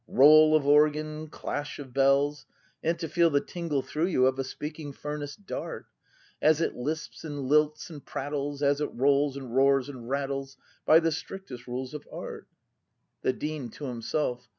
— Roll of organ, clash of bells, — And to feel the tingle through you Of a speaking furnace dart, As it lisps and lilts and prattles. As it rolls and roars and rattles, Bv the strictest rules of Art! The Dean [To himself.